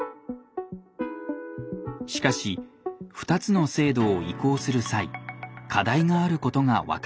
しかし２つの制度を移行する際課題があることが分かってきました。